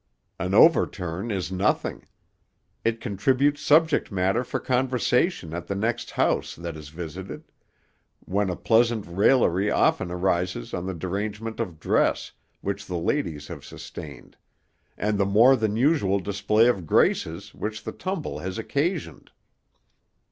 An overturn is nothing. It contributes subject matter for conversation at the next house that is visited, when a pleasant raillery often arises on the derangement of dress, which the ladies have sustained, and the more than usual display of graces, which the tumble has occasioned.